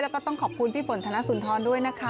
แล้วก็ต้องขอบคุณพี่ฝนธนสุนทรด้วยนะคะ